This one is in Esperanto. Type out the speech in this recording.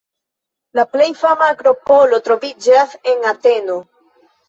La plej fama akropolo troviĝas en Ateno.